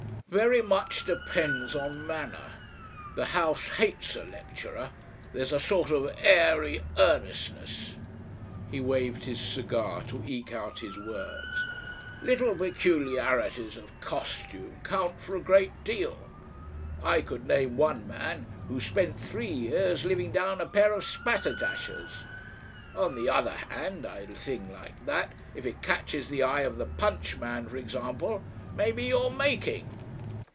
"Very much depends on manner. The House hates a lecturer. There's a sort of airy earnestness " He waved his cigar to eke out his words. "Little peculiarities of costume count for a great deal. I could name one man who spent three years living down a pair of spatterdashers. On the other hand a thing like that if it catches the eye of the PUNCH man, for example, may be your making."